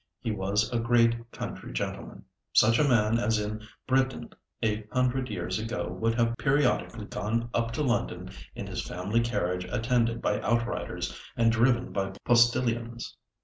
He was a great country gentleman—such a man as in Britain a hundred years ago would have periodically gone up to London in his family carriage attended by outriders and driven by postillions.